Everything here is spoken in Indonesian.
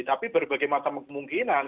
tapi berbagai macam kemungkinan